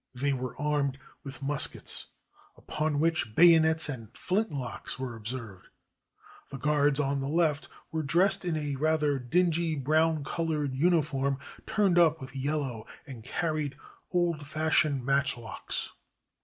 They were armed with muskets upon which bayonets and flint locks were observed. The guards on the left were dressed in a rather dingy, brown colored uniform turned up with yellow, and carried old fashioned matchlocks.